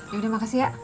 yaudah makasih ya